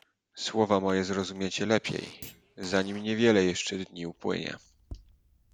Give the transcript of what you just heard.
"Słowa moje zrozumiecie lepiej, zanim niewiele jeszcze dni upłynie."